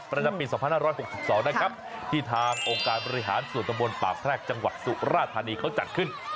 ประจำปี๒๕๖๒นะครับที่ทางองค์การบริหารส่วนตะบนปากแพรกจังหวัดสุราธานีเขาจัดขึ้น